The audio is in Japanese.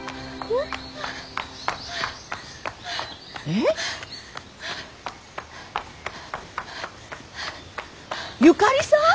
えっ？ゆかりさん？